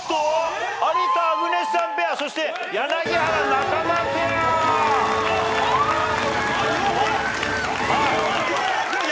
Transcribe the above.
有田・アグネスさんペアそして柳原・中間ペア！